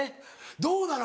どうなの？